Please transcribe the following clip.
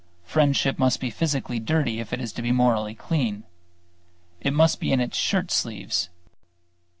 Friendship must be physically dirty if it is to be morally clean. It must be in its shirt sleeves.